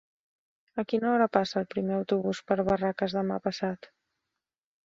A quina hora passa el primer autobús per Barraques demà passat?